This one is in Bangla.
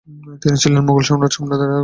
তিনি ছিলেন মুঘল সম্রাট আকবরের জ্যেষ্ঠ কন্যা।